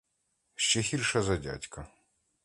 Ще гірша за дядька.